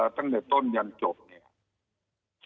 ตั้งแต่ต้นยันจบเนี่ย